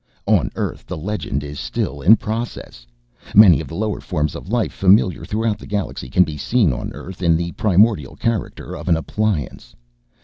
On Earth the legend is still in process. Many of the lower forms of life familiar throughout the galaxy can be seen on Earth in the primordial character of an appliance.